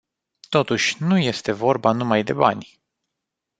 Totuși, nu este vorba numai de bani.